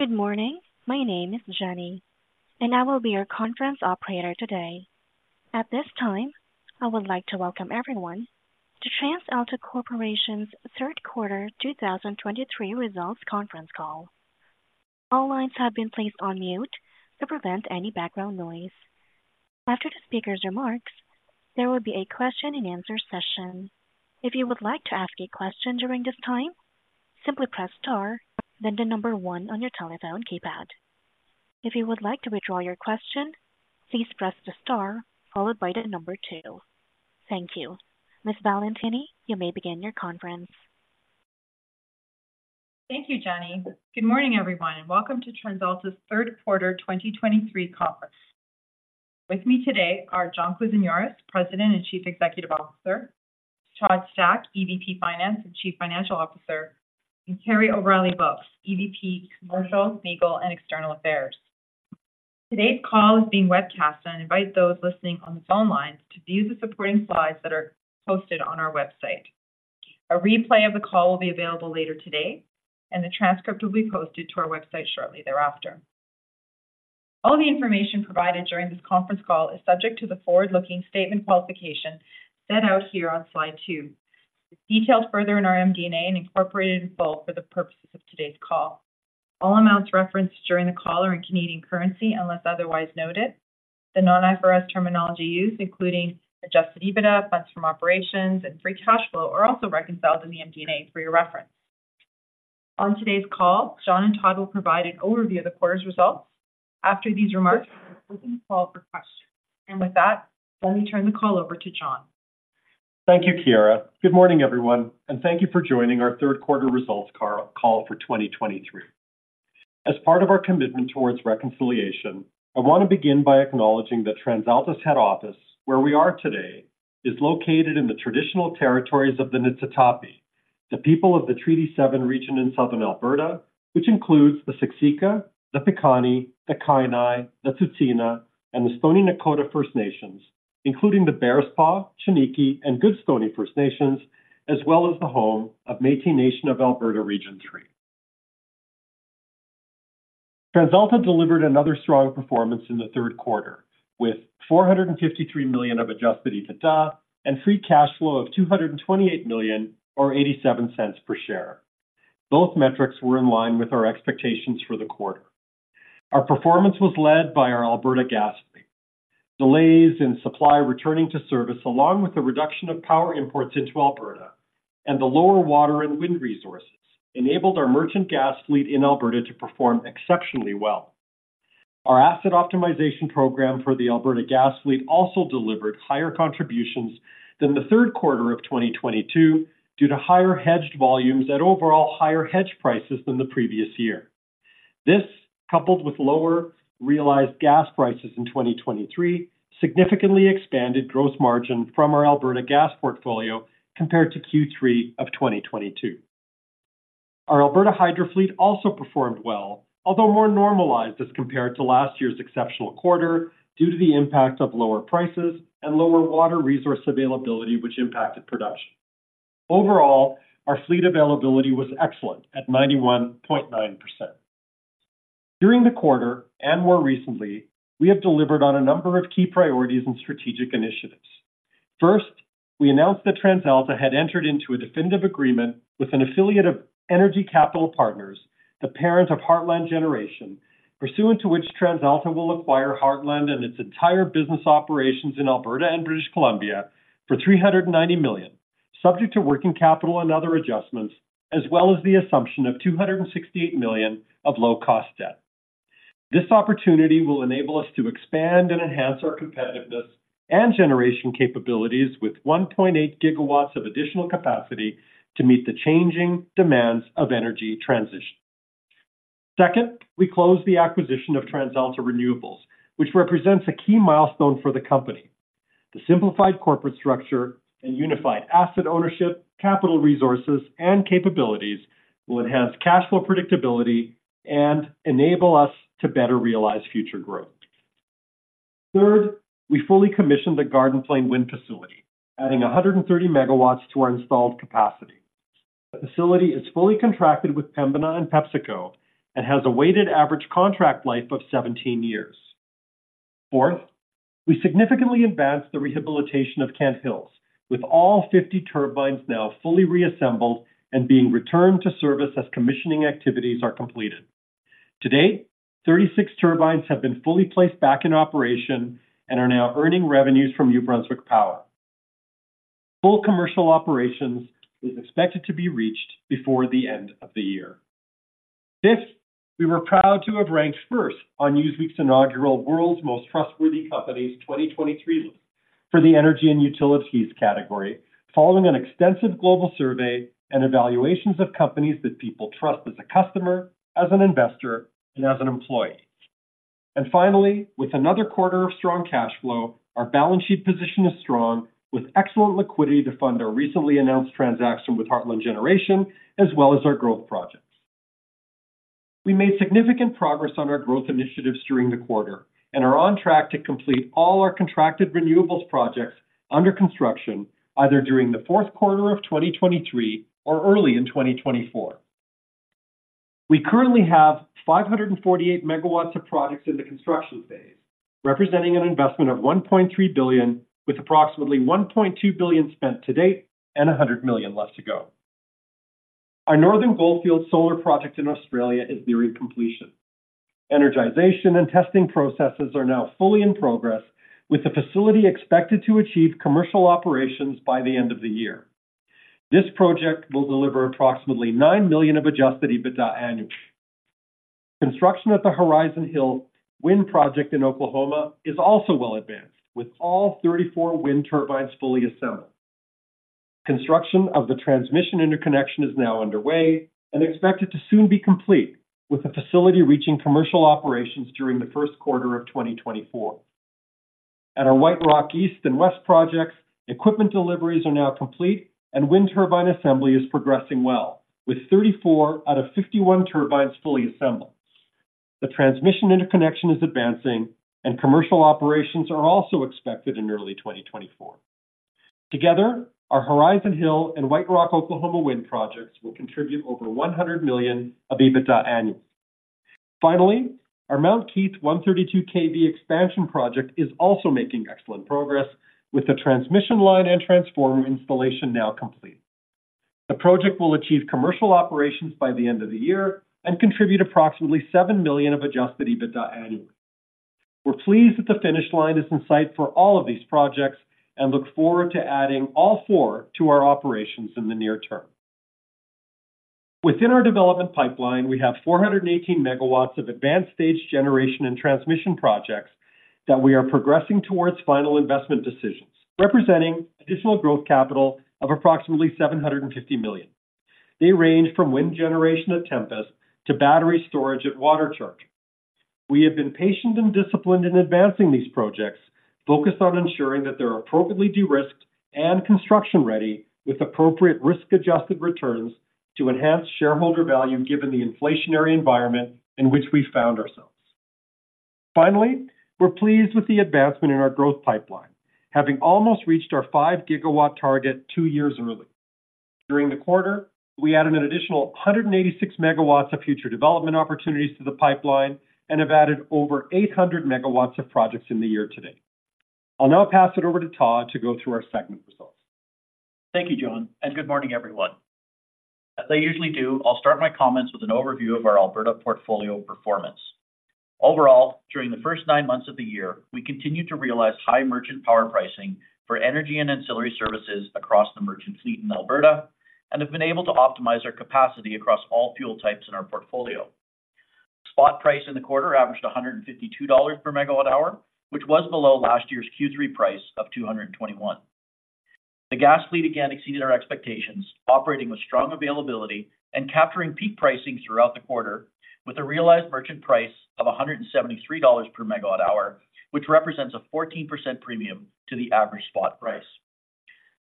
Good morning. My name is Jenny, and I will be your conference operator today. At this time, I would like to welcome everyone to TransAlta Corporation's Q3 2023 results conference call. All lines have been placed on mute to prevent any background noise. After the speaker's remarks, there will be a question and answer session. If you would like to ask a question during this time, simply press Star, then the number 1 on your telephone keypad. If you would like to withdraw your question, please press the Star followed by the number 2. Thank you. Ms. Valentini, you may begin your conference. Thank you, Jenny. Good morning, everyone, and welcome to TransAlta's Q3 2023 conference. With me today are John Kousinioris, President and Chief Executive Officer, Todd Stack, EVP Finance and Chief Financial Officer, and Kerry O'Reilly Wilks, EVP, Commercial, Legal, and External Affairs. Today's call is being webcast, and I invite those listening on the phone lines to view the supporting slides that are posted on our website. A replay of the call will be available later today, and the transcript will be posted to our website shortly thereafter. All the information provided during this conference call is subject to the forward-looking statement qualification set out here on slide 2. It's detailed further in our MD&A and incorporated in full for the purposes of today's call. All amounts referenced during the call are in Canadian currency, unless otherwise noted. The non-IFRS terminology used, including adjusted EBITDA, funds from operations, and free cash flow, are also reconciled in the MD&A for your reference. On today's call, John and Todd will provide an overview of the quarter's results. After these remarks, we can call for questions. And with that, let me turn the call over to John. Thank you, Chiara. Good morning, everyone, and thank you for joining our Q3 results call for 2023. As part of our commitment toward reconciliation, I want to begin by acknowledging that TransAlta's head office, where we are today, is located in the traditional territories of the Niitsitapi, the people of the Treaty Seven region in Southern Alberta, which includes the Siksika, the Piikani, the Kainai, the Tsuut'ina, and the Stoney Nakoda First Nations, including the Bearspaw, Chiniki, and GoodStoney First Nations, as well as the home of Métis Nation of Alberta Region Three. TransAlta delivered another strong performance in the Q3, with 453 million of adjusted EBITDA and free cash flow of 228 million or 0.87 per share. Both metrics were in line with our expectations for the quarter. Our performance was led by our Alberta Gas fleet. Delays in supply returning to service, along with the reduction of power imports into Alberta and the lower water and wind resources, enabled our merchant gas fleet in Alberta to perform exceptionally well. Our asset optimization program for the Alberta Gas fleet also delivered higher contributions than the Q3 of 2022 due to higher hedged volumes at overall higher hedge prices than the previous year. This, coupled with lower realized gas prices in 2023, significantly expanded gross margin from our Alberta Gas portfolio compared to Q3 of 2022. Our Alberta Hydro fleet also performed well, although more normalized as compared to last year's exceptional quarter, due to the impact of lower prices and lower water resource availability, which impacted production. Overall, our fleet availability was excellent at 91.9%. During the quarter, and more recently, we have delivered on a number of key priorities and strategic initiatives. First, we announced that TransAlta had entered into a definitive agreement with an affiliate of Energy Capital Partners, the parent of Heartland Generation, pursuant to which TransAlta will acquire Heartland and its entire business operations in Alberta and British Columbia for 390 million, subject to working capital and other adjustments, as well as the assumption of 268 million of low-cost debt. This opportunity will enable us to expand and enhance our competitiveness and generation capabilities with 1.8 GW of additional capacity to meet the changing demands of energy transition. Second, we closed the acquisition of TransAlta Renewables, which represents a key milestone for the company. The simplified corporate structure and unified asset ownership, capital resources, and capabilities will enhance cash flow predictability and enable us to better realize future growth. Third, we fully commissioned the Garden Plain Wind facility, adding 130 megawatts to our installed capacity. The facility is fully contracted with Pembina and PepsiCo and has a weighted average contract life of 17 years. Fourth, we significantly advanced the rehabilitation of Kent Hills, with all 50 turbines now fully reassembled and being returned to service as commissioning activities are completed. To date, 36 turbines have been fully placed back in operation and are now earning revenues from New Brunswick Power. Full commercial operations is expected to be reached before the end of the year. Fifth, we were proud to have ranked first on Newsweek's inaugural World's Most Trustworthy Companies 2023 list for the energy and utilities category, following an extensive global survey and evaluations of companies that people trust as a customer, as an investor, and as an employee. And finally, with another quarter of strong cash flow, our balance sheet position is strong, with excellent liquidity to fund our recently announced transaction with Heartland Generation, as well as our growth projects. We made significant progress on our growth initiatives during the quarter and are on track to complete all our contracted renewables projects under construction, either during the fourth quarter of 2023 or early in 2024. We currently have 548 MW of projects in the construction phase, representing an investment of 1.3 billion, with approximately 1.2 billion spent to date and 100 million less to go. Our Northern Goldfields solar project in Australia is nearing completion. Energization and testing processes are now fully in progress, with the facility expected to achieve commercial operations by the end of the year. This project will deliver approximately 9 million of Adjusted EBITDA annually. Construction at the Horizon Hill Wind Project in Oklahoma is also well advanced, with all 34 wind turbines fully assembled. Construction of the transmission interconnection is now underway and expected to soon be complete, with the facility reaching commercial operations during the Q1 of 2024. At our White Rock East and West projects, equipment deliveries are now complete, and wind turbine assembly is progressing well, with 34 out of 51 turbines fully assembled. The transmission interconnection is advancing, and commercial operations are also expected in early 2024. Together, our Horizon Hill and White Rock Oklahoma Wind projects will contribute over 100 million of EBITDA annually. Finally, our Mount Keith 132 kV expansion project is also making excellent progress, with the transmission line and transformer installation now complete. The project will achieve commercial operations by the end of the year and contribute approximately 7 million of adjusted EBITDA annually. We're pleased that the finish line is in sight for all of these projects and look forward to adding all four to our operations in the near term. Within our development pipeline, we have 418 MW of advanced stage generation and transmission projects that we are progressing towards final investment decisions, representing additional growth capital of approximately 750 million. They range from wind generation at Tempest to battery storage at Water Charger. We have been patient and disciplined in advancing these projects, focused on ensuring that they are appropriately de-risked and construction-ready, with appropriate risk-adjusted returns to enhance shareholder value, given the inflationary environment in which we found ourselves. Finally, we're pleased with the advancement in our growth pipeline, having almost reached our 5 GW target two years early. During the quarter, we added an additional 186 MW of future development opportunities to the pipeline and have added over 800 MW of projects in the year to date. I'll now pass it over to Todd to go through our segment results. Thank you, John, and good morning, everyone. As I usually do, I'll start my comments with an overview of our Alberta portfolio performance. Overall, during the first 9 months of the year, we continued to realize high merchant power pricing for energy and ancillary services across the merchant fleet in Alberta and have been able to optimize our capacity across all fuel types in our portfolio. Spot price in the quarter averaged 152 dollars per MWh, which was below last year's Q3 price of 221. The gas fleet again exceeded our expectations, operating with strong availability and capturing peak pricing throughout the quarter, with a realized merchant price of 173 dollars per MWh, which represents a 14% premium to the average spot price.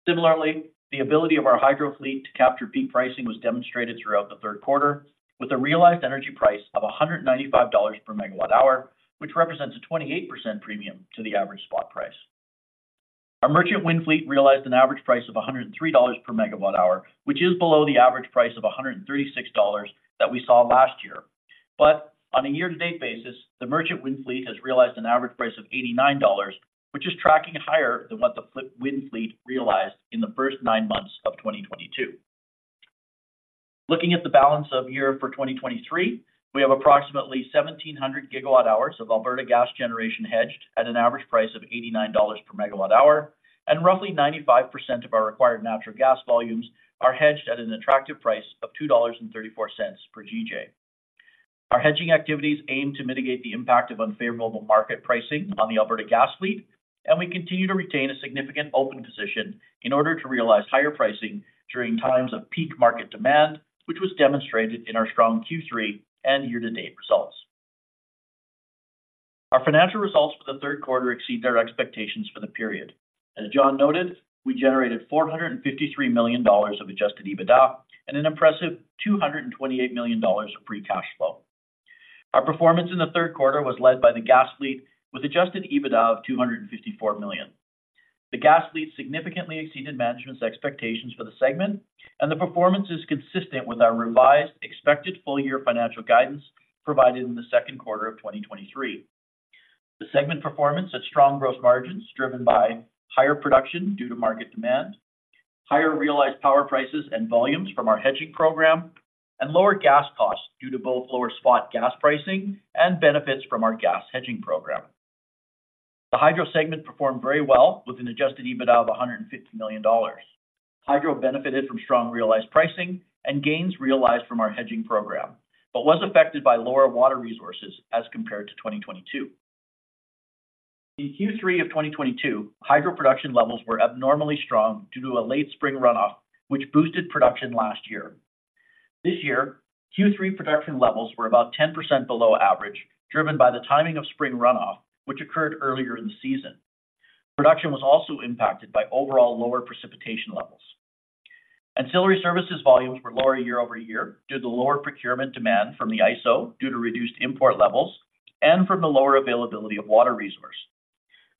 Similarly, the ability of our hydro fleet to capture peak pricing was demonstrated throughout the Q3, with a realized energy price of 195 dollars per MWh, which represents a 28% premium to the average spot price. Our merchant wind fleet realized an average price of 103 dollars per MWh, which is below the average price of 136 dollars that we saw last year. But on a year-to-date basis, the merchant wind fleet has realized an average price of 89 dollars, which is tracking higher than what the flip wind fleet realized in the first nine months of 2022. Looking at the balance of year for 2023, we have approximately 1,700 GWh of Alberta gas generation hedged at an average price of 89 dollars/MWh, and roughly 95% of our required natural gas volumes are hedged at an attractive price of 2.34 dollars/GJ. Our hedging activities aim to mitigate the impact of unfavorable market pricing on the Alberta gas fleet, and we continue to retain a significant open position in order to realize higher pricing during times of peak market demand, which was demonstrated in our strong Q3 and year-to-date results. Our financial results for the Q3 exceeded our expectations for the period. As John noted, we generated 453 million dollars of Adjusted EBITDA and an impressive 228 million dollars of free cash flow. Our performance in the Q3 was led by the gas fleet, with Adjusted EBITDA of 254 million. The gas fleet significantly exceeded management's expectations for the segment, and the performance is consistent with our revised expected full-year financial guidance provided in the Q2 of 2023. The segment performance had strong growth margins, driven by higher production due to market demand, higher realized power prices and volumes from our hedging program, and lower gas costs due to both lower spot gas pricing and benefits from our gas hedging program. The hydro segment performed very well with an Adjusted EBITDA of 150 million dollars. Hydro benefited from strong realized pricing and gains realized from our hedging program, but was affected by lower water resources as compared to 2022. In Q3 of 2022, hydro production levels were abnormally strong due to a late spring runoff, which boosted production last year. This year, Q3 production levels were about 10% below average, driven by the timing of spring runoff, which occurred earlier in the season. Production was also impacted by overall lower precipitation levels. Ancillary services volumes were lower year-over-year, due to the lower procurement demand from the ISO, due to reduced import levels and from the lower availability of water resources.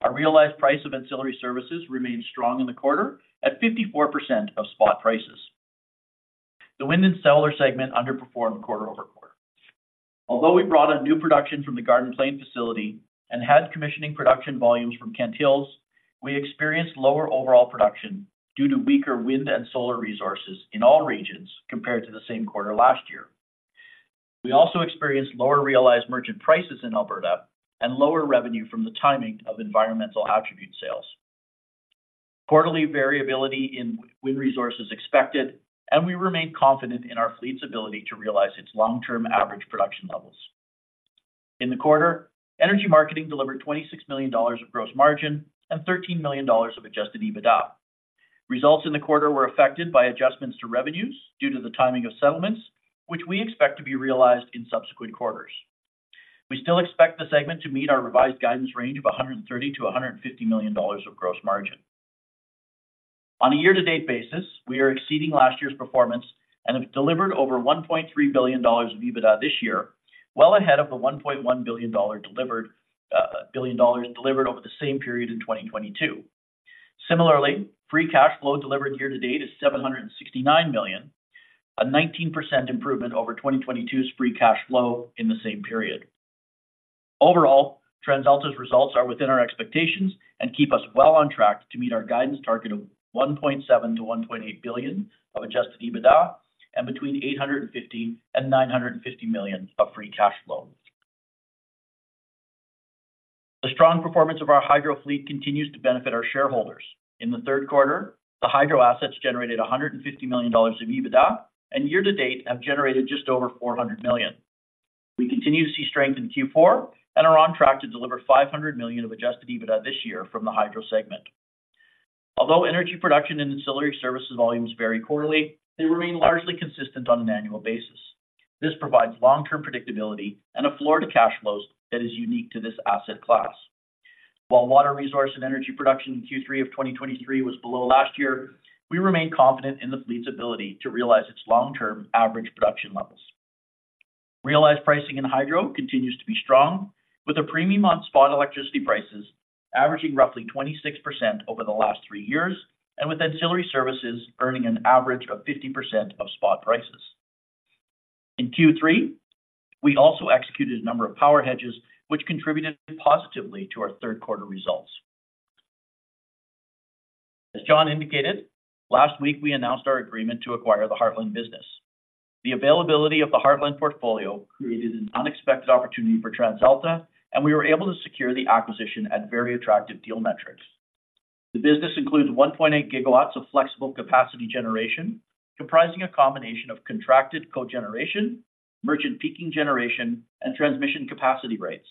Our realized price of ancillary services remained strong in the quarter, at 54% of spot prices. The wind and solar segment underperformed quarter-over-quarter. Although we brought in new production from the Garden Plain facility and had commissioning production volumes from Kent Hills, we experienced lower overall production due to weaker wind and solar resources in all regions compared to the same quarter last year. We also experienced lower realized merchant prices in Alberta and lower revenue from the timing of environmental attribute sales. Quarterly variability in wind resource is expected, and we remain confident in our fleet's ability to realize its long-term average production levels. In the quarter, energy marketing delivered 26 million dollars of gross margin and 13 million dollars of Adjusted EBITDA. Results in the quarter were affected by adjustments to revenues due to the timing of settlements, which we expect to be realized in subsequent quarters. We still expect the segment to meet our revised guidance range of 130 million-150 million dollars of gross margin. On a year-to-date basis, we are exceeding last year's performance and have delivered over 1.3 billion dollars of EBITDA this year, well ahead of the 1.1 billion dollars delivered, billion dollars delivered over the same period in 2022. Similarly, Free Cash Flow delivered year to date is 769 million, a 19% improvement over 2022's Free Cash Flow in the same period. Overall, TransAlta's results are within our expectations and keep us well on track to meet our guidance target of 1.7 billion-1.8 billion of Adjusted EBITDA, and between 850 million and 950 million of Free Cash Flow. The strong performance of our hydro fleet continues to benefit our shareholders. In the Q3, the hydro assets generated 150 million dollars of EBITDA, and year to date, have generated just over 400 million. We continue to see strength in Q4 and are on track to deliver 500 million of adjusted EBITDA this year from the hydro segment. Although energy production and ancillary services volumes vary quarterly, they remain largely consistent on an annual basis. This provides long-term predictability and a floor to cash flows that is unique to this asset class. While water resource and energy production in Q3 of 2023 was below last year, we remain confident in the fleet's ability to realize its long-term average production levels. Realized pricing in hydro continues to be strong, with a premium on spot electricity prices averaging roughly 26% over the last three years, and with ancillary services earning an average of 50% of spot prices. In Q3, we also executed a number of power hedges, which contributed positively to our Q3 results. As John indicated, last week, we announced our agreement to acquire the Heartland business. The availability of the Heartland portfolio created an unexpected opportunity for TransAlta, and we were able to secure the acquisition at very attractive deal metrics. The business includes 1.8 GW of flexible capacity generation, comprising a combination of contracted cogeneration, merchant peaking generation, and transmission capacity rates.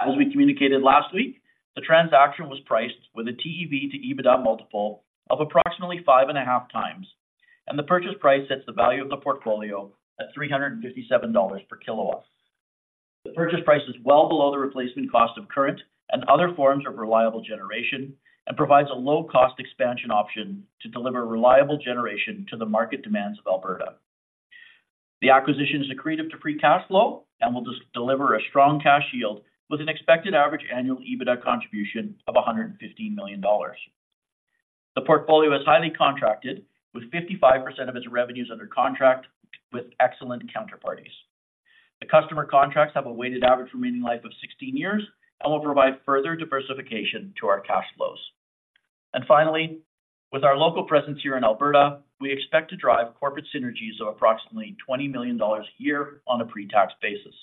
As we communicated last week, the transaction was priced with a TEV to EBITDA multiple of approximately 5.5x, and the purchase price sets the value of the portfolio at 357 dollars per kW. The purchase price is well below the replacement cost of current and other forms of reliable generation and provides a low-cost expansion option to deliver reliable generation to the market demands of Alberta. The acquisition is accretive to free cash flow and will just deliver a strong cash yield with an expected average annual EBITDA contribution of 150 million dollars. The portfolio is highly contracted, with 55% of its revenues under contract with excellent counterparties. The customer contracts have a weighted average remaining life of 16 years and will provide further diversification to our cash flows. Finally, with our local presence here in Alberta, we expect to drive corporate synergies of approximately 20 million dollars a year on a pre-tax basis.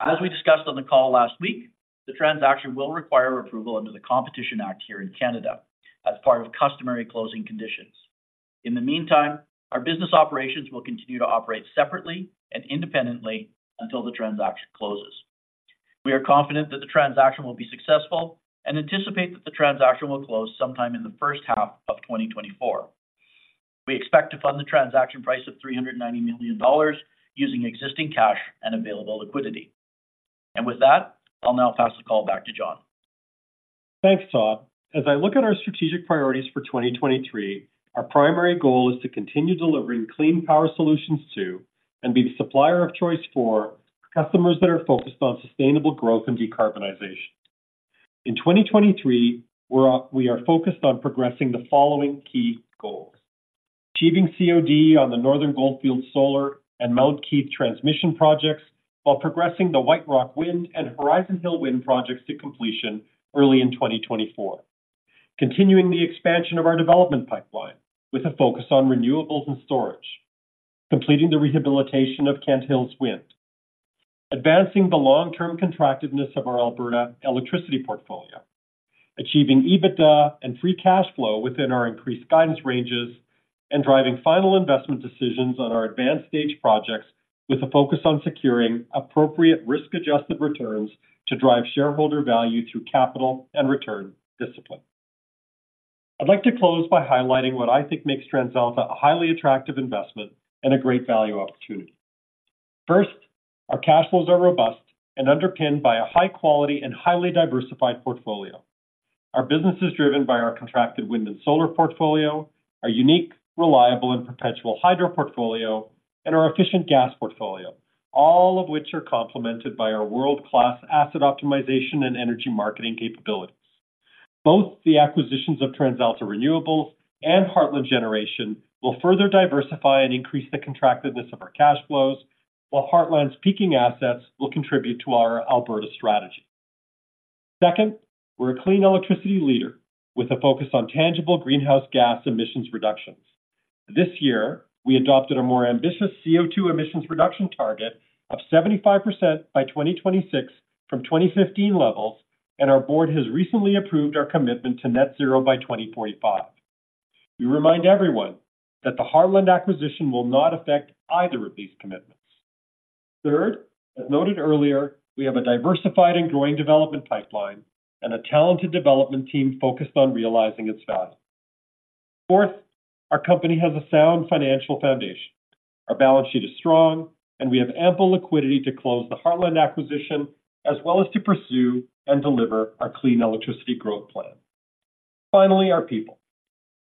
As we discussed on the call last week, the transaction will require approval under the Competition Act here in Canada as part of customary closing conditions. In the meantime, our business operations will continue to operate separately and independently until the transaction closes. We are confident that the transaction will be successful and anticipate that the transaction will close sometime in the H1 of 2024. We expect to fund the transaction price of 390 million dollars using existing cash and available liquidity. With that, I'll now pass the call back to John. Thanks, Todd. As I look at our strategic priorities for 2023, our primary goal is to continue delivering clean power solutions to, and be the supplier of choice for, customers that are focused on sustainable growth and decarbonization. In 2023, we are focused on progressing the following key goals: achieving COD on the Northern Goldfields solar and Mount Keith transmission projects, while progressing the White Rock wind and Horizon Hill wind projects to completion early in 2024. Continuing the expansion of our development pipeline, with a focus on renewables and storage. Completing the rehabilitation of Kent Hills Wind. Advancing the long-term contractiveness of our Alberta electricity portfolio. Achieving EBITDA and free cash flow within our increased guidance ranges, and driving final investment decisions on our advanced stage projects, with a focus on securing appropriate risk-adjusted returns to drive shareholder value through capital and return discipline. I'd like to close by highlighting what I think makes TransAlta a highly attractive investment and a great value opportunity. First, our cash flows are robust and underpinned by a high quality and highly diversified portfolio.... Our business is driven by our contracted wind and solar portfolio, our unique, reliable, and perpetual hydro portfolio, and our efficient gas portfolio, all of which are complemented by our world-class asset optimization and energy marketing capabilities. Both the acquisitions of TransAlta Renewables and Heartland Generation will further diversify and increase the contractiveness of our cash flows, while Heartland's peaking assets will contribute to our Alberta strategy. Second, we're a clean electricity leader with a focus on tangible greenhouse gas emissions reductions. This year, we adopted a more ambitious CO₂ emissions reduction target of 75% by 2026 from 2015 levels, and our board has recently approved our commitment to net zero by 2045. We remind everyone that the Heartland acquisition will not affect either of these commitments. Third, as noted earlier, we have a diversified and growing development pipeline and a talented development team focused on realizing its value. Fourth, our company has a sound financial foundation. Our balance sheet is strong, and we have ample liquidity to close the Heartland acquisition, as well as to pursue and deliver our clean electricity growth plan. Finally, our people.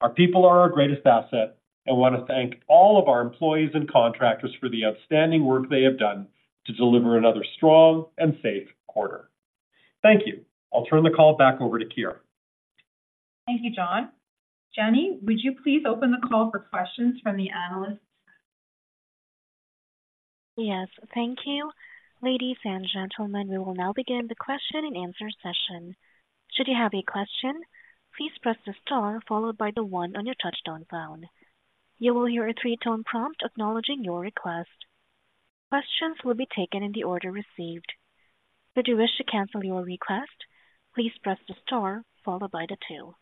Our people are our greatest asset, and want to thank all of our employees and contractors for the outstanding work they have done to deliver another strong and safe quarter. Thank you. I'll turn the call back over to Chiara. Thank you, John. Jenny, would you please open the call for questions from the analysts? Yes, thank you. Ladies and gentlemen, we will now begin the question-and-answer session. Should you have a question, please press the star followed by the one on your touch-tone phone. You will hear a three-tone prompt acknowledging your request. Questions will be taken in the order received. If you wish to cancel your request, please press the star followed by the two.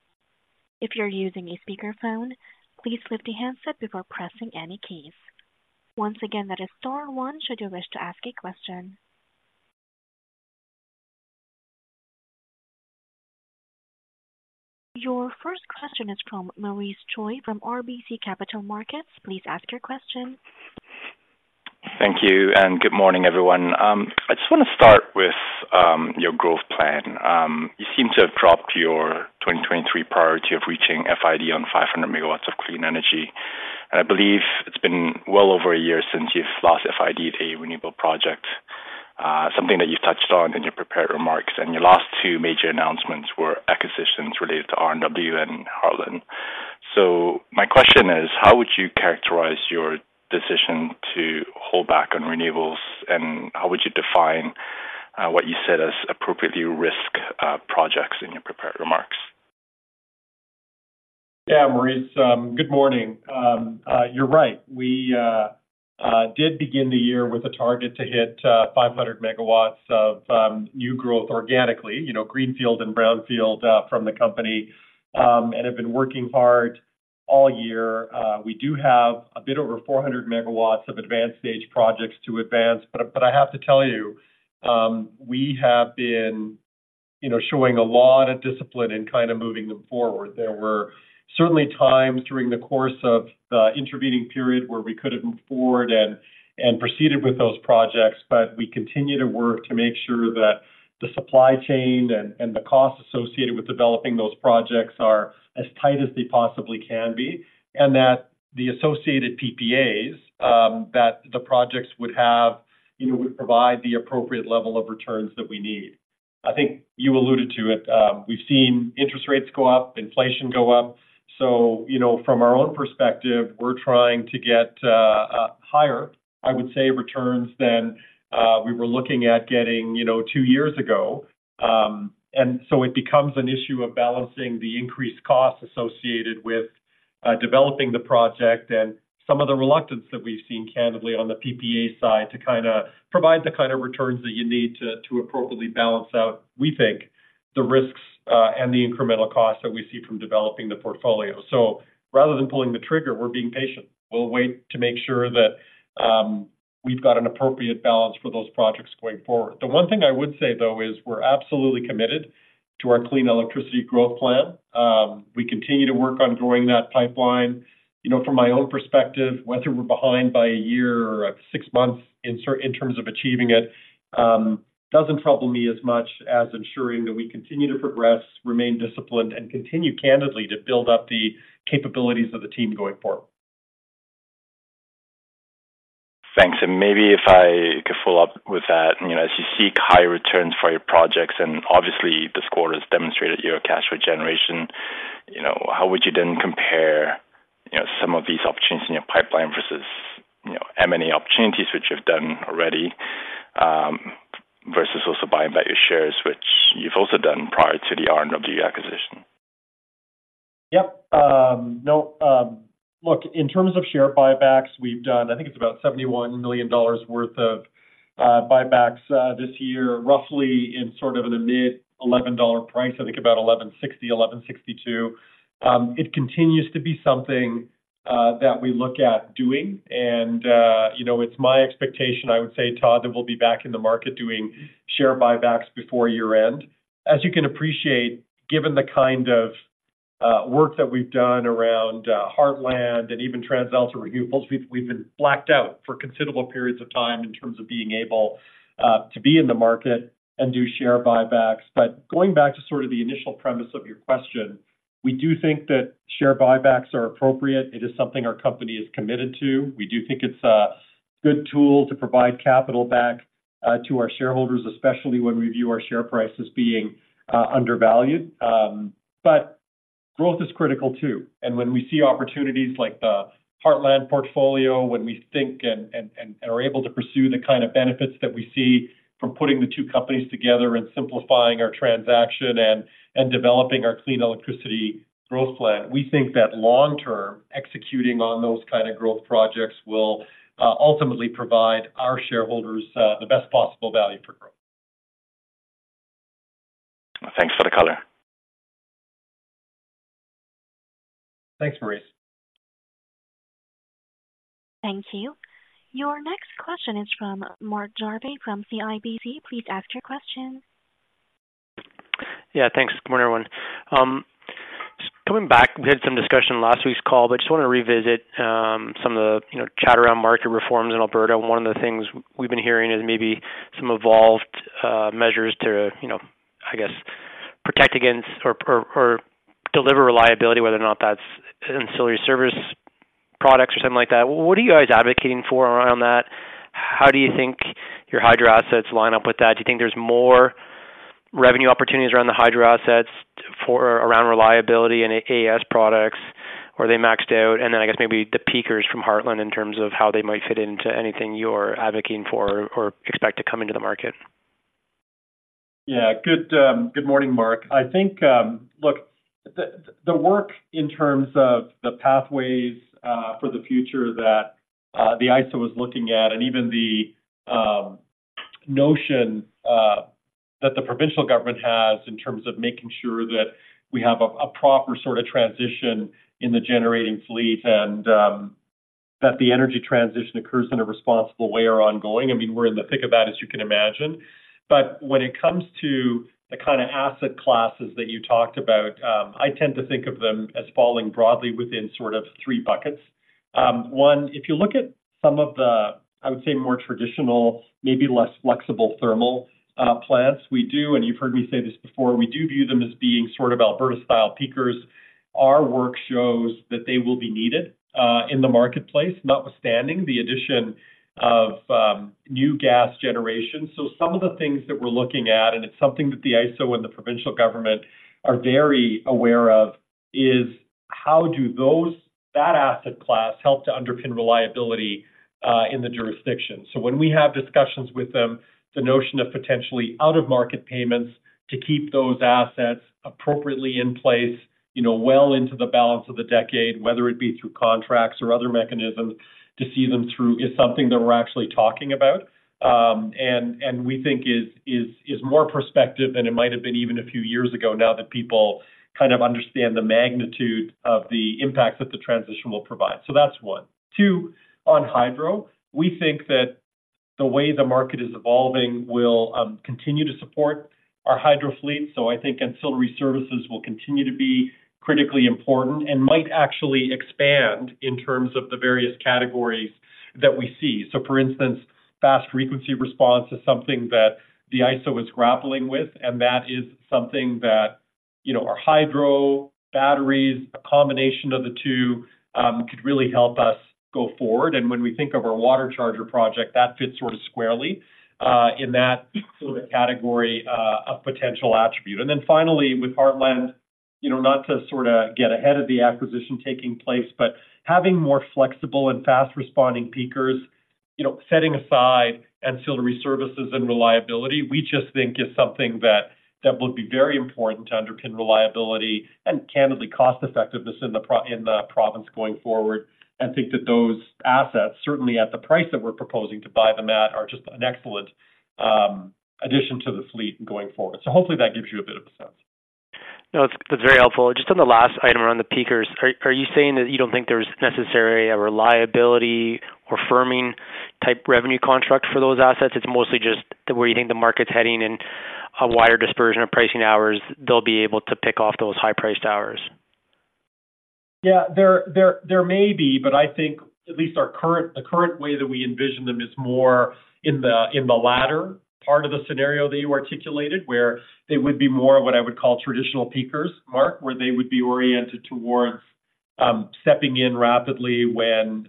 If you're using a speakerphone, please lift the handset before pressing any keys. Once again, that is star one, should you wish to ask a question. Your first question is from Maurice Choy from RBC Capital Markets. Please ask your question. Thank you, and good morning, everyone. I just want to start with your growth plan. You seem to have dropped your 2023 priority of reaching FID on 500 MW of clean energy. I believe it's been well over a year since you've last FID a renewable project, something that you've touched on in your prepared remarks, and your last two major announcements were acquisitions related to R&W and Heartland. So my question is: How would you characterize your decision to hold back on renewables, and how would you define what you said as appropriately risky projects in your prepared remarks? Yeah, Maurice, good morning. You're right. We did begin the year with a target to hit 500 MW of new growth organically, you know, greenfield and brownfield from the company, and have been working hard all year. We do have a bit over 400 MW of advanced stage projects to advance, but I have to tell you, we have been, you know, showing a lot of discipline in kind of moving them forward. There were certainly times during the course of the intervening period where we could have moved forward and proceeded with those projects, but we continue to work to make sure that the supply chain and the costs associated with developing those projects are as tight as they possibly can be, and that the associated PPAs that the projects would have, you know, would provide the appropriate level of returns that we need. I think you alluded to it. We've seen interest rates go up, inflation go up. So, you know, from our own perspective, we're trying to get higher, I would say, returns than we were looking at getting, you know, two years ago. So it becomes an issue of balancing the increased costs associated with developing the project and some of the reluctance that we've seen, candidly, on the PPA side, to kinda provide the kind of returns that you need to appropriately balance out, we think, the risks and the incremental costs that we see from developing the portfolio. So rather than pulling the trigger, we're being patient. We'll wait to make sure that we've got an appropriate balance for those projects going forward. The one thing I would say, though, is we're absolutely committed to our clean electricity growth plan. We continue to work on growing that pipeline. You know, from my own perspective, whether we're behind by a year or six months in terms of achieving it, doesn't trouble me as much as ensuring that we continue to progress, remain disciplined, and continue candidly to build up the capabilities of the team going forward. Thanks. Maybe if I could follow up with that. You know, as you seek higher returns for your projects, and obviously, this quarter has demonstrated your cash flow generation, you know, how would you then compare, you know, some of these opportunities in your pipeline versus, you know, M&A opportunities, which you've done already, versus also buying back your shares, which you've also done prior to the R&W acquisition? Yep. No, look, in terms of share buybacks, we've done, I think it's about $71 million worth of buybacks this year, roughly in sort of the mid-$11 price, I think about $11.60, $11.62. It continues to be something that we look at doing, and you know, it's my expectation, I would say, Todd, that we'll be back in the market doing share buybacks before year-end. As you can appreciate, given the work that we've done around Heartland and even TransAlta Renewables, we've been blacked out for considerable periods of time in terms of being able to be in the market and do share buybacks. But going back to sort of the initial premise of your question, we do think that share buybacks are appropriate. It is something our company is committed to. We do think it's a good tool to provide capital back to our shareholders, especially when we view our share price as being undervalued. But growth is critical too, and when we see opportunities like the Heartland portfolio, when we think and are able to pursue the kind of benefits that we see from putting the two companies together and simplifying our transaction and developing our clean electricity growth plan, we think that long term, executing on those kind of growth projects will ultimately provide our shareholders the best possible value for growth. Thanks for the color. Thanks, Maurice. Thank you. Your next question is from Mark Jarvi, from CIBC. Please ask your question. Yeah, thanks. Good morning, everyone. Just coming back, we had some discussion in last week's call, but just want to revisit some of the, you know, chat around market reforms in Alberta. One of the things we've been hearing is maybe some evolved measures to, you know, I guess, protect against or deliver reliability, whether or not that's ancillary service products or something like that. What are you guys advocating for around that? How do you think your hydro assets line up with that? Do you think there's more revenue opportunities around the hydro assets for around reliability and AAS products, or are they maxed out? And then I guess maybe the peakers from Heartland in terms of how they might fit into anything you're advocating for or expect to come into the market. Yeah, good, good morning, Mark. I think... Look, the work in terms of the pathways for the future that the ISO is looking at, and even the notion that the provincial government has in terms of making sure that we have a proper sort of transition in the generating fleet, and that the energy transition occurs in a responsible way or ongoing. I mean, we're in the thick of that, as you can imagine. But when it comes to the kind of asset classes that you talked about, I tend to think of them as falling broadly within sort of three buckets. One, if you look at some of the, I would say, more traditional, maybe less flexible thermal plants, we do, and you've heard me say this before, we do view them as being sort of Alberta-style peakers. Our work shows that they will be needed in the marketplace, notwithstanding the addition of new gas generations. So some of the things that we're looking at, and it's something that the ISO and the provincial government are very aware of, is how does that asset class help to underpin reliability in the jurisdiction? So when we have discussions with them, the notion of potentially out-of-market payments to keep those assets appropriately in place, you know, well into the balance of the decade, whether it be through contracts or other mechanisms to see them through, is something that we're actually talking about. And we think it is more prospective than it might have been even a few years ago, now that people kind of understand the magnitude of the impact that the transition will provide. So that's one. Two, on hydro, we think that the way the market is evolving will continue to support our hydro fleet. So I think ancillary services will continue to be critically important and might actually expand in terms of the various categories that we see. So for instance, fast frequency response is something that the ISO is grappling with, and that is something that, you know, our hydro, batteries, a combination of the two, could really help us go forward. And when we think of our Water Charger project, that fits sort of squarely in that sort of category of potential attribute. Then finally, with Heartland, you know, not to sort of get ahead of the acquisition taking place, but having more flexible and fast-responding peakers, you know, setting aside ancillary services and reliability, we just think is something that, that would be very important to underpin reliability and candidly cost effectiveness in the province going forward. I think that those assets, certainly at the price that we're proposing to buy them at, are just an excellent addition to the fleet going forward. So hopefully that gives you a bit of a sense. No, it's, that's very helpful. Just on the last item, around the peakers, are you saying that you don't think there's necessarily a reliability or firming type revenue contract for those assets? It's mostly just where you think the market's heading and a wider dispersion of pricing hours, they'll be able to pick off those high-priced hours. Yeah, there may be, but I think at least our current, the current way that we envision them is more in the latter part of the scenario that you articulated, where they would be more of what I would call traditional peakers, Mark, where they would be oriented towards stepping in rapidly when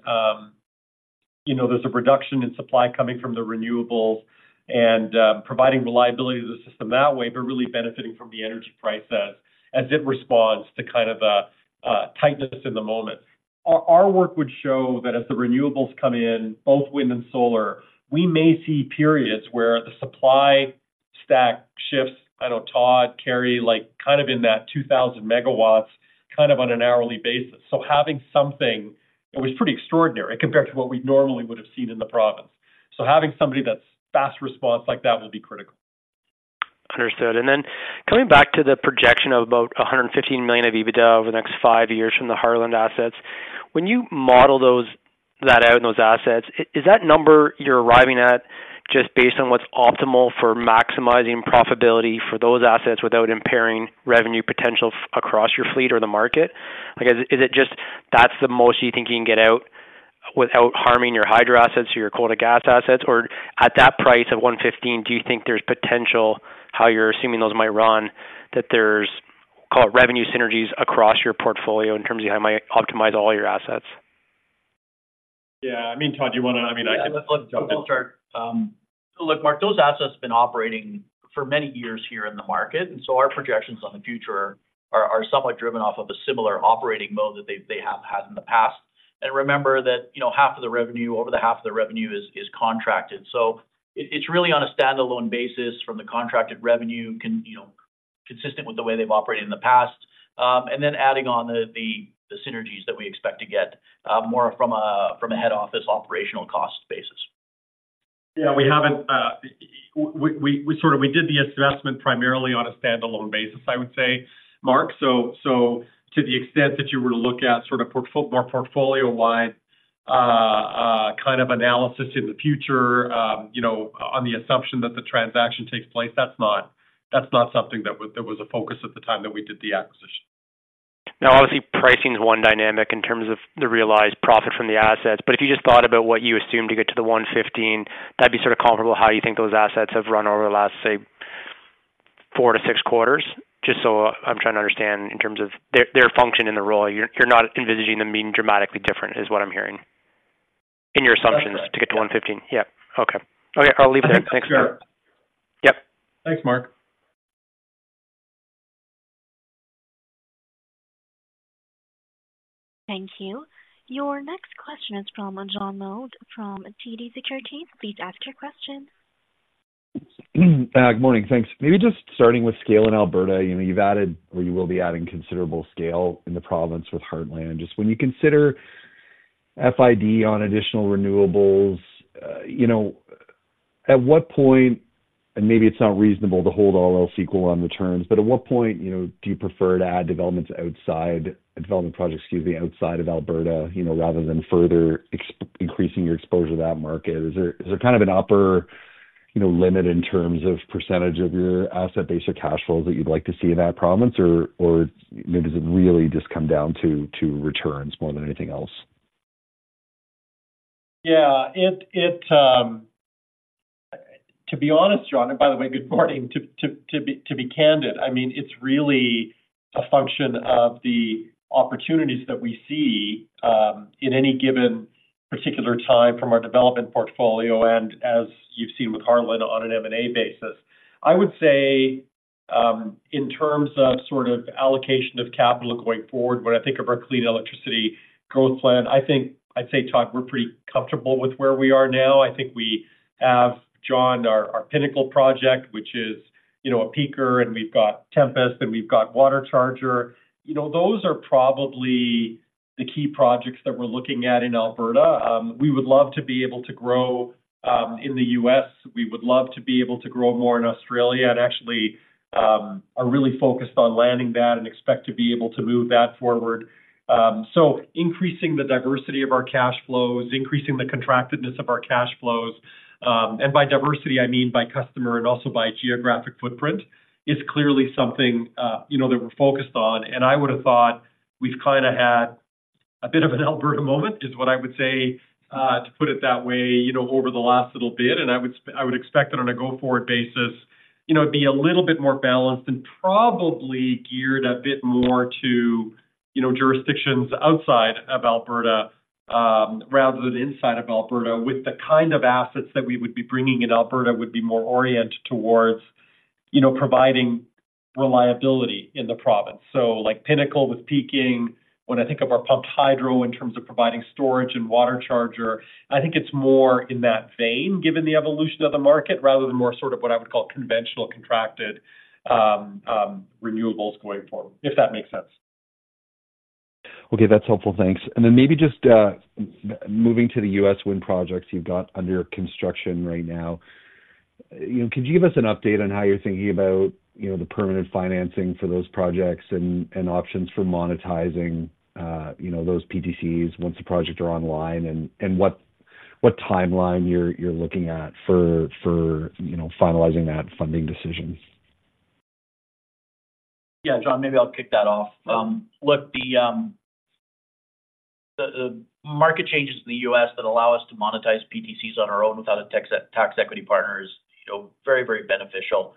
you know, there's a reduction in supply coming from the renewables and providing reliability to the system that way, but really benefiting from the energy price as it responds to kind of tightness in the moment. Our work would show that as the renewables come in, both wind and solar, we may see periods where the supply stack shifts, I know, Todd, Kerry, like kind of in that 2,000 MW, kind of on an hourly basis. Having something, it was pretty extraordinary compared to what we normally would have seen in the province. So having somebody that's fast response like that will be critical. Understood. Then coming back to the projection of about 115 million of EBITDA over the next five years from the Heartland assets, when you model that out in those assets. Is that number you're arriving at just based on what's optimal for maximizing profitability for those assets without impairing revenue potential across your fleet or the market? Like, is it just that's the most you think you can get out without harming your hydro assets or your quota gas assets? Or at that price of 115, do you think there's potential, how you're assuming those might run, that there's, call it, revenue synergies across your portfolio in terms of how it might optimize all your assets? Yeah. I mean, Todd, do you want to-- I mean, I can- Yeah, let's start. Look, Mark, those assets have been operating for many years here in the market, and so our projections on the future are somewhat driven off of a similar operating mode that they have had in the past. And remember that, you know, half of the revenue, over half of the revenue is contracted. So it, it's really on a standalone basis from the contracted revenue, you know, consistent with the way they've operated in the past. And then adding on the synergies that we expect to get, more from a, from a head office operational cost basis. Yeah, we haven't. We sort of did the assessment primarily on a standalone basis, I would say, Mark. So to the extent that you were to look at sort of more portfolio-wide kind of analysis in the future, you know, on the assumption that the transaction takes place, that's not something that was a focus at the time that we did the acquisition. Now, obviously, pricing is one dynamic in terms of the realized profit from the assets. But if you just thought about what you assumed to get to the 115, that'd be sort of comparable to how you think those assets have run over the last, say, 4-6 quarters. Just so I'm trying to understand in terms of their, their function in the role. You're, you're not envisaging them being dramatically different, is what I'm hearing, in your assumptions to get to 115. Yeah. Okay. Okay, I'll leave it there. Thanks. Sure. Yep. Thanks, Mark. Thank you. Your next question is from John Mould from TD Securities. Please ask your question. Good morning, thanks. Maybe just starting with scale in Alberta, you know, you've added, or you will be adding considerable scale in the province with Heartland. Just when you consider FID on additional renewables, you know, at what point, and maybe it's not reasonable to hold all else equal on the terms, but at what point, you know, do you prefer to add developments outside development projects, excuse me, outside of Alberta, you know, rather than further increasing your exposure to that market? Is there, is there kind of an upper, you know, limit in terms of percentage of your asset base or cash flows that you'd like to see in that province? Or, or maybe does it really just come down to, to returns more than anything else? Yeah, it... To be honest, John, and by the way, good morning. To be candid, I mean, it's really a function of the opportunities that we see in any given particular time from our development portfolio, and as you've seen with Heartland, on an M&A basis. I would say in terms of sort of allocation of capital going forward, when I think of our clean electricity growth plan, I think I'd say, Todd, we're pretty comfortable with where we are now. I think we have, John, our Pinnacle project, which is, you know, a peaker, and we've got Tempest, and we've got Water Charger. You know, those are probably the key projects that we're looking at in Alberta. We would love to be able to grow in the US. We would love to be able to grow more in Australia, and actually, are really focused on landing that and expect to be able to move that forward. So increasing the diversity of our cash flows, increasing the contractedness of our cash flows, and by diversity, I mean by customer and also by geographic footprint, is clearly something, you know, that we're focused on. And I would have thought we've kinda had a bit of an Alberta moment, is what I would say, to put it that way, you know, over the last little bit. I would expect that on a go-forward basis, you know, it'd be a little bit more balanced and probably geared a bit more to, you know, jurisdictions outside of Alberta, rather than inside of Alberta, with the kind of assets that we would be bringing in Alberta would be more oriented towards, you know, providing reliability in the province. So, like Pinnacle with peaking, when I think of our pumped hydro in terms of providing storage and Water Charger, I think it's more in that vein, given the evolution of the market, rather than more sort of what I would call conventional contracted renewables going forward, if that makes sense. Okay, that's helpful. Thanks. And then maybe just moving to the U.S. wind projects you've got under construction right now. You know, could you give us an update on how you're thinking about, you know, the permanent financing for those projects and options for monetizing, you know, those PTCs once the projects are online, and what timeline you're looking at for, you know, finalizing that funding decision? Yeah, John, maybe I'll kick that off. Look, the market changes in the U.S. that allow us to monetize PTCs on our own without a tax equity partner is, you know, very, very beneficial.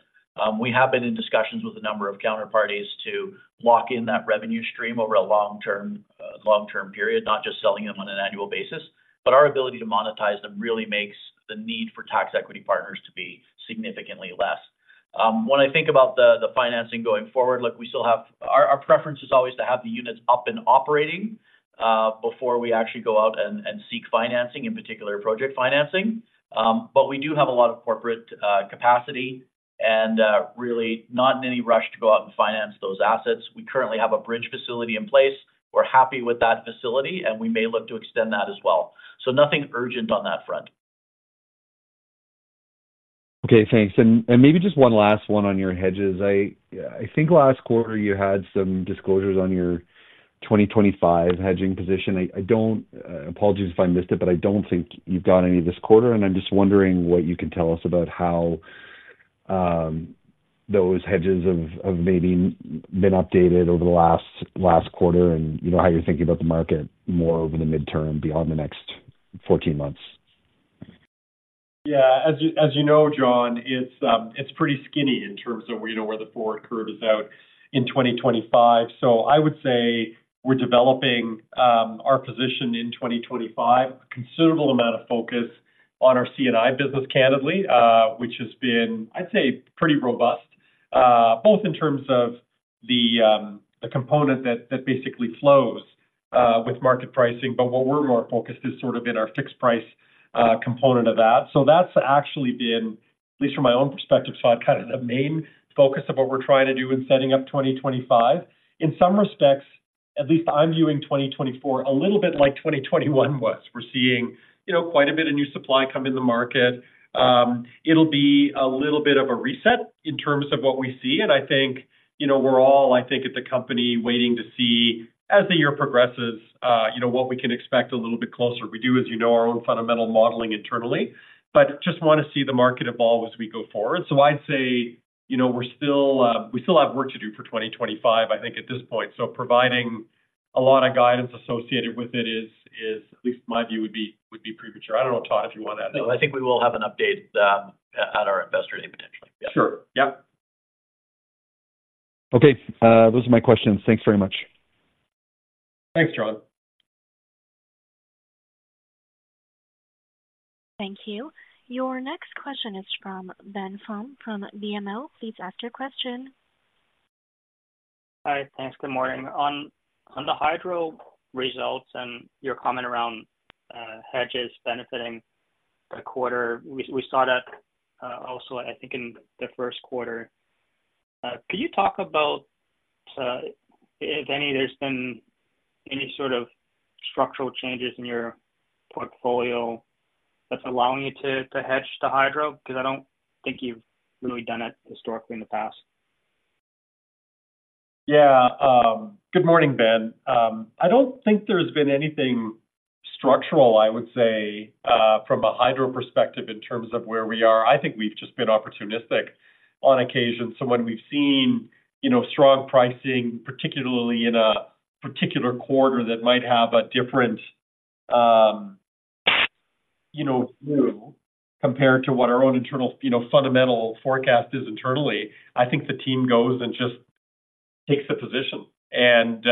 We have been in discussions with a number of counterparties to lock in that revenue stream over a long-term period, not just selling them on an annual basis. But our ability to monetize them really makes the need for tax equity partners to be significantly less. When I think about the financing going forward, look, we still have our preference is always to have the units up and operating before we actually go out and seek financing, in particular, project financing. We do have a lot of corporate capacity and really not in any rush to go out and finance those assets. We currently have a bridge facility in place. We're happy with that facility, and we may look to extend that as well. Nothing urgent on that front. Okay, thanks. And maybe just one last one on your hedges. I think last quarter you had some disclosures on your 2025 hedging position. I don't—apologies if I missed it, but I don't think you've got any this quarter, and I'm just wondering what you can tell us about how those hedges have maybe been updated over the last quarter and, you know, how you're thinking about the market more over the midterm beyond the next 14 months. Yeah, as you know, John, it's pretty skinny in terms of, you know, where the forward curve is out in 2025. So I would say we're developing our position in 2025. A considerable amount of focus on our CNI business, candidly, which has been, I'd say, pretty robust, both in terms of the component that basically flows with market pricing. But what we're more focused is sort of in our fixed price component of that. So that's actually been, at least from my own perspective, so kind of the main focus of what we're trying to do in setting up 2025. In some respects, at least I'm viewing 2024 a little bit like 2021 was. We're seeing, you know, quite a bit of new supply come in the market. It'll be a little bit of a reset in terms of what we see, and I think, you know, we're all, I think, at the company waiting to see, as the year progresses, you know, what we can expect a little bit closer. We do, as you know, our own fundamental modeling internally, but just want to see the market evolve as we go forward. So I'd say, you know, we're still, we still have work to do for 2025, I think, at this point. So providing a lot of guidance associated with it is, at least my view, would be premature. I don't know, Todd, if you want to add anything. No, I think we will have an update, at our Investor Day, potentially. Yeah. Sure. Yep. Okay. Those are my questions. Thanks very much. Thanks, John. Thank you. Your next question is from Ben Pham from BMO. Please ask your question. Hi. Thanks. Good morning. On the hydro results and your comment around hedges benefiting the quarter, we saw that also, I think in the Q1. Could you talk about if any there's been any sort of structural changes in your portfolio that's allowing you to hedge the hydro? Because I don't think you've really done it historically in the past. Yeah. Good morning, Ben. I don't think there's been anything structural, I would say, from a hydro perspective, in terms of where we are. I think we've just been opportunistic on occasion. So when we've seen, you know, strong pricing, particularly in a particular quarter, that might have a different, you know, view compared to what our own internal, you know, fundamental forecast is internally, I think the team goes and just takes a position and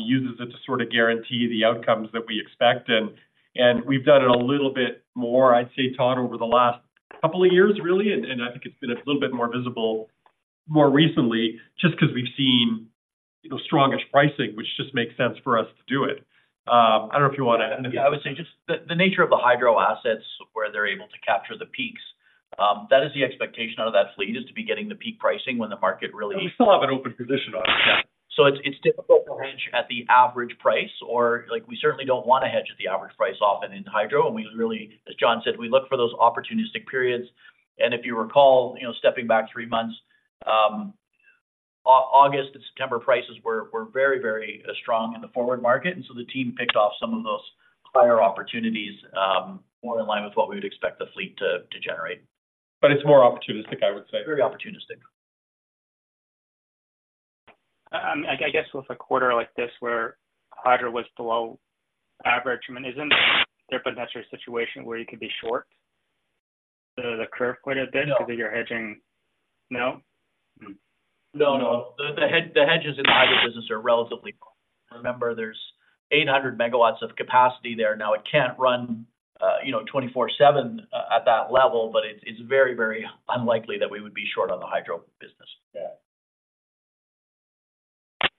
uses it to sort of guarantee the outcomes that we expect. And we've done it a little bit more, I'd say, Todd, over the last couple of years, really, and I think it's been a little bit more visible more recently, just because we've seen, you know, strongish pricing, which just makes sense for us to do it. I don't know if you want to add anything. Yeah, I would say just the nature of the hydro assets, where they're able to capture the peaks, that is the expectation out of that fleet, is to be getting the peak pricing when the market really- We still have an open position on it. Yeah. So it's, it's difficult to hedge at the average price, or, like, we certainly don't want to hedge at the average price often in hydro. And we really, as John said, we look for those opportunistic periods. And if you recall, you know, stepping back three months, August and September prices were very, very strong in the forward market, and so the team picked off some of those higher opportunities, more in line with what we would expect the fleet to generate. But it's more opportunistic, I would say. Very opportunistic. I guess with a quarter like this, where hydro was below average, I mean, isn't there potentially a situation where you could be short? The curve quite a bit- No. Because you're hedging... No? No, no. The hedges in the hydro business are relatively long. Remember, there's 800 MW of capacity there. Now, it can't run, you know, 24/7 at that level, but it's very, very unlikely that we would be short on the hydro business. Yeah.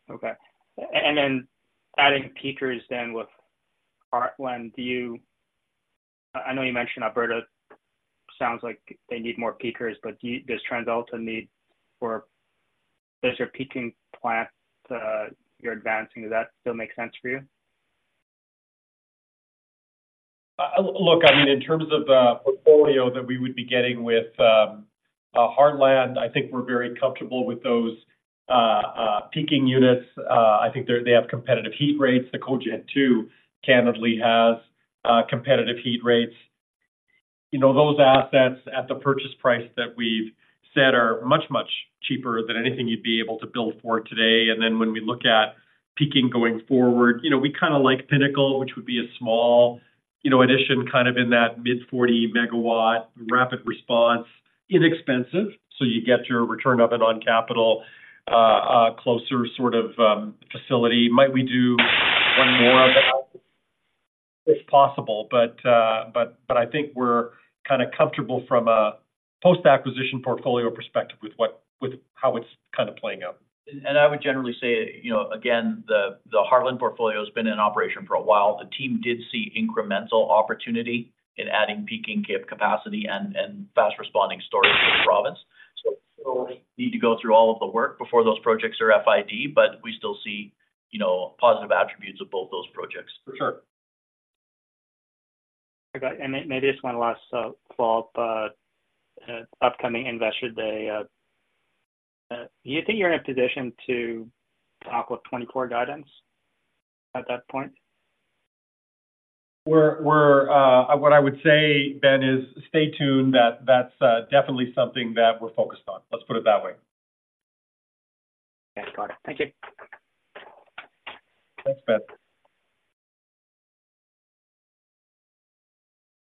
Okay. And then adding peakers then with Heartland, do you—I know you mentioned Alberta. Sounds like they need more peakers, but do you—does TransAlta need for those are peaking plants you're advancing, does that still make sense for you? Look, I mean, in terms of the portfolio that we would be getting with Heartland, I think we're very comfortable with those peaking units. I think they have competitive heat rates. The Cogen 2, candidly, has competitive heat rates. You know, those assets at the purchase price that we've set are much, much cheaper than anything you'd be able to build for today. And then when we look at peaking going forward, you know, we kinda like Pinnacle, which would be a small, you know, addition, kind of in that mid-40 megawatt rapid response, inexpensive, so you get your return on it, on capital, closer sort of facility. Might we do one more of those? It's possible, but I think we're kinda comfortable from a post-acquisition portfolio perspective with what with how it's kind of playing out. I would generally say, you know, again, the Heartland portfolio has been in operation for a while. The team did see incremental opportunity in adding peaking capacity and fast-responding storage. So we need to go through all of the work before those projects are FID, but we still see, you know, positive attributes of both those projects. For sure. Okay, maybe just one last follow-up, upcoming Investor Day. Do you think you're in a position to talk with 2024 core guidance at that point? What I would say, Ben, is stay tuned. That's definitely something that we're focused on. Let's put it that way. Got it. Thank you. Thanks, Ben.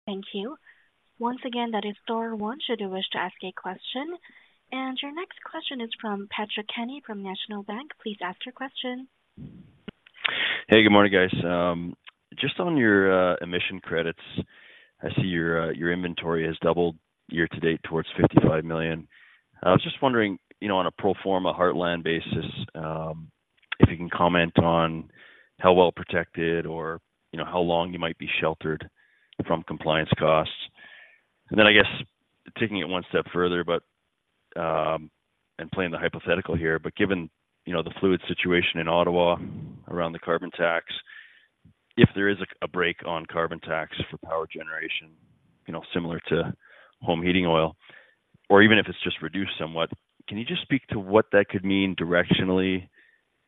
Thank you. Once again, that is star one, should you wish to ask a question. And your next question is from Patrick Kenny, from National Bank. Please ask your question. Hey, good morning, guys. Just on your emission credits, I see your inventory has doubled year to date towards 55 million. I was just wondering, you know, on a pro forma Heartland basis, if you can comment on how well protected or, you know, how long you might be sheltered from compliance costs. And then, I guess, taking it one step further, and playing the hypothetical here, but given, you know, the fluid situation in Ottawa around the carbon tax, if there is a break on carbon tax for power generation, you know, similar to home heating oil, or even if it's just reduced somewhat, can you just speak to what that could mean directionally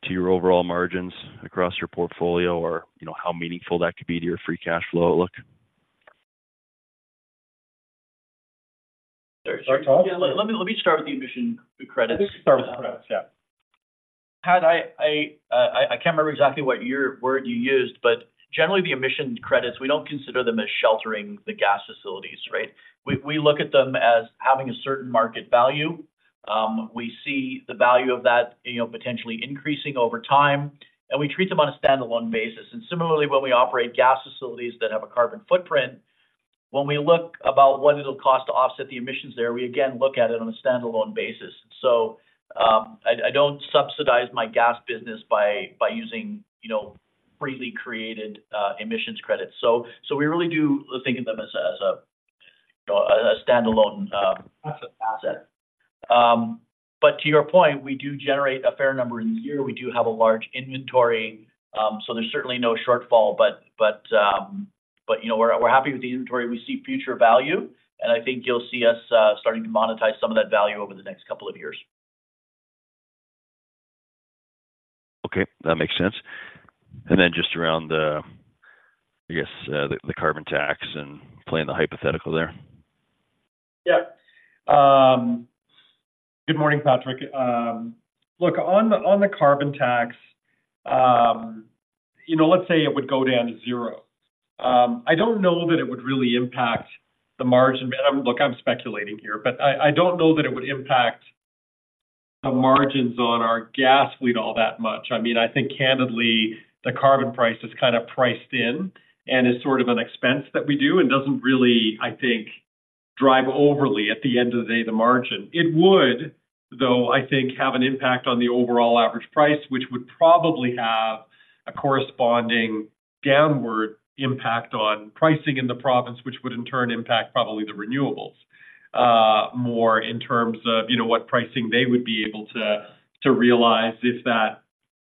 to your overall margins across your portfolio? Or, you know, how meaningful that could be to your free cash flow outlook? Start, Todd? Yeah, let me, let me start with the emission credits. I think start with credits, yeah. Pat, I can't remember exactly what word you used, but generally, the emissions credits, we don't consider them as sheltering the gas facilities, right? We look at them as having a certain market value. We see the value of that, you know, potentially increasing over time, and we treat them on a standalone basis. And similarly, when we operate gas facilities that have a carbon footprint, when we look about what it'll cost to offset the emissions there, we again look at it on a standalone basis. So, I don't subsidize my gas business by using, you know, freely created emissions credits. So, we really do think of them as a standalone asset. But to your point, we do generate a fair number each year. We do have a large inventory, so there's certainly no shortfall. But, you know, we're happy with the inventory. We see future value, and I think you'll see us starting to monetize some of that value over the next couple of years. Okay, that makes sense. And then just around the, I guess, the carbon tax and playing the hypothetical there. Yeah. Good morning, Patrick. Look, on the, on the carbon tax, you know, let's say it would go down to zero. I don't know that it would really impact the margin. But I'm. Look, I'm speculating here, but I, I don't know that it would impact the margins on our gas fleet all that much. I mean, I think candidly, the carbon price is kind of priced in and is sort of an expense that we do and doesn't really, I think, drive overly, at the end of the day, the margin. It would, though, I think, have an impact on the overall average price, which would probably have a corresponding downward impact on pricing in the province, which would in turn impact probably the renewables, more in terms of, you know, what pricing they would be able to, to realize if that,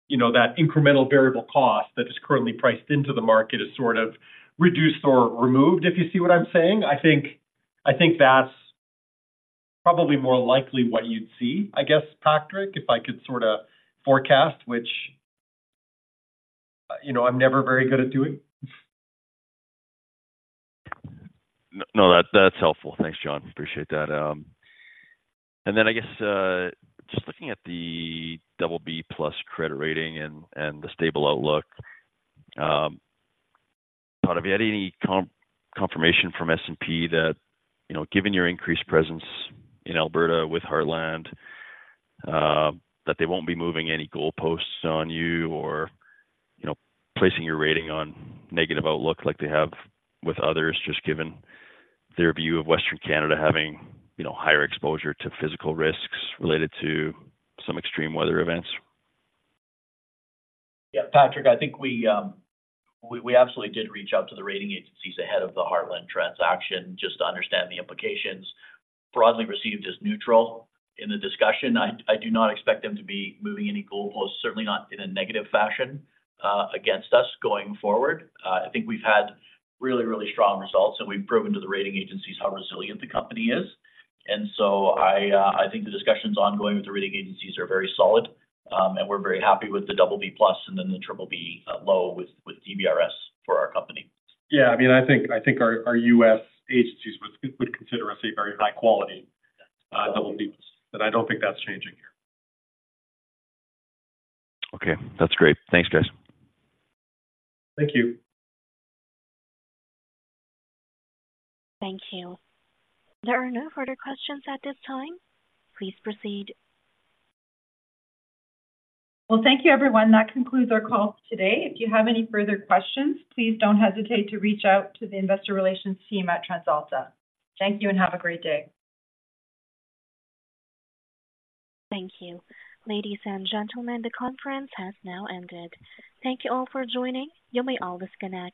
you know, that incremental variable cost that is currently priced into the market is sort of reduced or removed, if you see what I'm saying. I think, I think that's probably more likely what you'd see, I guess, Patrick, if I could sort of forecast, which, you know, I'm never very good at doing. No, no, that, that's helpful. Thanks, John. Appreciate that. And then I guess, just looking at the BB+ credit rating and, and the stable outlook, Todd, have you had any confirmation from S&P that, you know, given your increased presence in Alberta with Heartland, that they won't be moving any goalposts on you or, you know, placing your rating on negative outlook like they have with others, just given their view of Western Canada having, you know, higher exposure to physical risks related to some extreme weather events? Yeah, Patrick, I think we absolutely did reach out to the rating agencies ahead of the Heartland transaction just to understand the implications. Broadly received as neutral in the discussion. I do not expect them to be moving any goalposts, certainly not in a negative fashion, against us going forward. I think we've had really, really strong results, and we've proven to the rating agencies how resilient the company is. And so I think the discussions ongoing with the rating agencies are very solid, and we're very happy with the BB+ and then the BBB (low) with DBRS for our company. Yeah, I mean, I think our U.S. agencies would consider us a very high quality BB+, and I don't think that's changing here. Okay, that's great. Thanks, guys. Thank you. Thank you. There are no further questions at this time. Please proceed. Well, thank you, everyone. That concludes our call today. If you have any further questions, please don't hesitate to reach out to the investor relations team at TransAlta. Thank you and have a great day. Thank you. Ladies and gentlemen, the conference has now ended. Thank you all for joining. You may all disconnect.